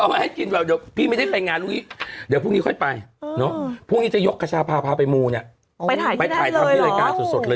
ไปถ่ายที่ไหนเลยหรอเออมันต้องมูยังไงคะเราก็ยกมูไปที่นู่นเลย